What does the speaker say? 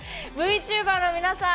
ＶＴｕｂｅｒの皆さん！